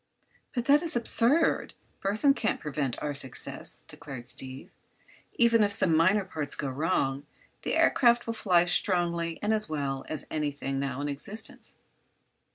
"But that is absurd! Burthon can't prevent our success," declared Steve. "Even if some minor parts go wrong, the aircraft will fly as strongly and as well as anything now in existence."